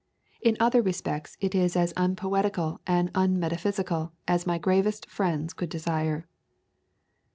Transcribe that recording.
In other respects it is as unpoetical and unmetaphysical as my gravest friends could desire."